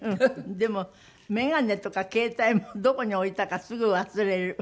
でも眼鏡とか携帯もどこに置いたかすぐ忘れる？